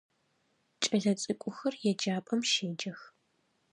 Кӏэлэцӏыкӏухэр еджапӏэм щеджэх.